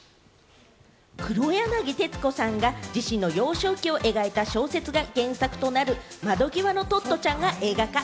黒柳徹子さんが自身の幼少期を描いた小説が原作となる『窓ぎわのトットちゃん』が映画化。